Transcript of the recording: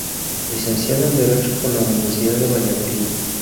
Licenciado en Derecho por la Universidad de Valladolid.